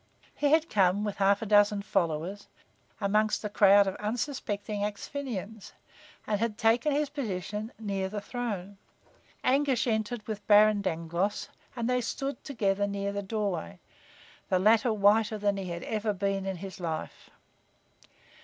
He had come, with a half dozen followers, among a crowd of unsuspecting Axphainians, and had taken his position near the throne. Anguish entered with Baron Dangloss and they stood together near the doorway, the latter whiter than he had ever been in his life.